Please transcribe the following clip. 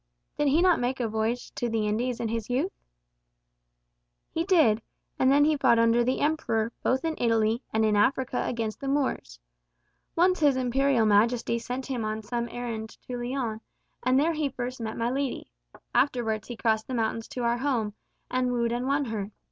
"Did he not make a voyage to the Indies in his youth?" "He did; and then he fought under the Emperor, both in Italy, and in Africa against the Moors. Once His Imperial Majesty sent him on some errand to Leon, and there he first met my lady. Afterwards he crossed the mountains to our home, and wooed and won her.